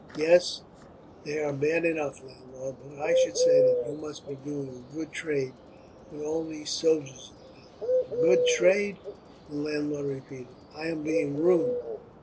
"Yes, they are bad enough, landlord; but I should say that you must be doing a good trade, with all these soldiers in the town." "A good trade!" the landlord repeated. "I am being ruined.